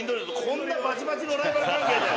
こんなバチバチのライバル関係で。